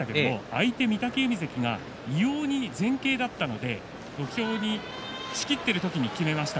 相手の御嶽海関が異様に前傾だったので土俵で仕切っている時に決めました。